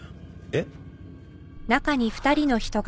えっ？